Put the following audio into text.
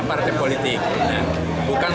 partai politik bukan